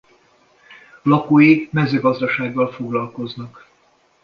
Lakói mezőgazdasággal foglalkoznak.